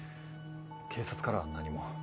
警察からは何も。